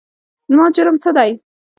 زما جرم څه دی ؟؟